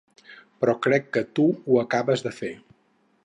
Però crec que tu ho acabes de fer.